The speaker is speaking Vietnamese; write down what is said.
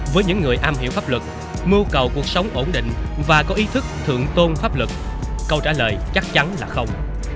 với những người am hiểu pháp luật mưu cầu cuộc sống ổn định và có ý thức thượng tôn pháp luật câu trả lời chắc chắn là không